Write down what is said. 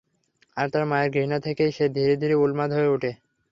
আর তার মায়ের ঘৃণা থেকেই সে ধীরে ধীরে উন্মাদ হয়ে উঠে।